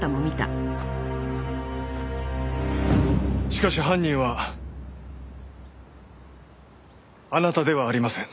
しかし犯人はあなたではありません。